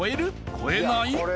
超えない？